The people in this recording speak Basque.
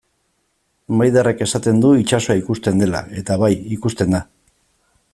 Maiderrek esaten du itsasoa ikusten dela, eta bai, ikusten da.